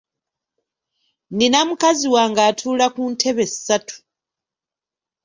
Nnina mukazi wange atuula ku ntebe ssatu.